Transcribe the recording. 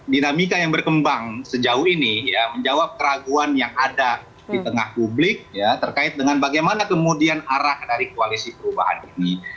dinamika yang berkembang sejauh ini ya menjawab keraguan yang ada di tengah publik terkait dengan bagaimana kemudian arah dari koalisi perubahan ini